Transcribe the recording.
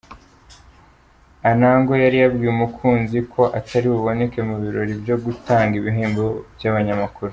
Anangwe yari yabwiye umukunzi ko ataribuboneke mu birori byo gutanga ibihembo by’ abanyamakuru.